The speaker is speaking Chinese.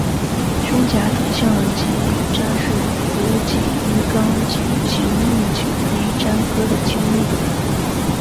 胸甲准项鳍鲇是辐鳍鱼纲鲇形目颈鳍鲇科的其中一种。